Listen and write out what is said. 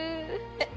えっ？